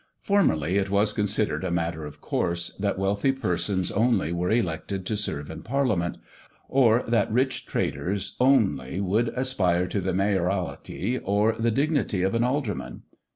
Formerly it was considered a matter of course, that wealthy persons only were elected to serve in Parliament; or that rich traders only would aspire to the mayoralty, or the dignity of an alderman.